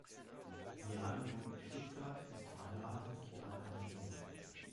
Liane wohnt in Stuttgart, ist verheiratet und hat einen Sohn.